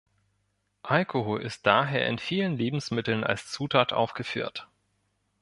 Alkohol ist daher in vielen Lebensmitteln als Zutat aufgeführt.